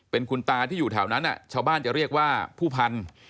เป็นคุณตาที่อยู่แถวนั้นชาวบ้านจะเรียกว่าผู้พันธุ์